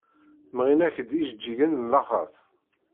Mɣin-ak-d ijeǧǧigen n laxeṛt.